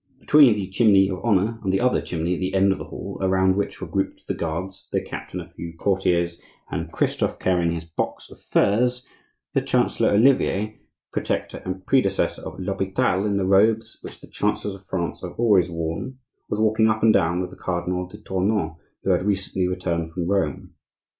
Between the "chimney of honor" and the other chimney at the end of the hall, around which were grouped the guards, their captain, a few courtiers, and Christophe carrying his box of furs, the Chancellor Olivier, protector and predecessor of l'Hopital, in the robes which the chancellors of France have always worn, was walking up and down with the Cardinal de Tournon, who had recently returned from Rome.